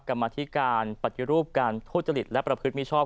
กรรมธิการปฏิรูปการทุจริตและประพฤติมิชอบ